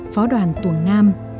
phó đoàn tuổng nam